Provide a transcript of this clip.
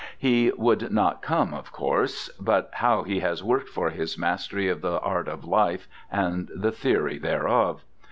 He would not come, of course! But how he has worked for his mastery of the art of life and the theory thereof!